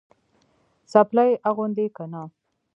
څپلۍ اغوندې که نه؟